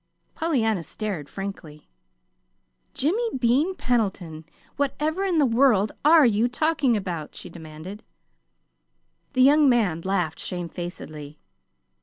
Pollyanna stared frankly. "Jimmy Bean Pendleton, whatever in the world are you talking about?" she demanded. The young man laughed shamefacedly.